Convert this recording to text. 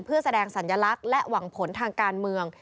เพื่อแสดงสัญลักษณ์และหวังผลทางการเมือง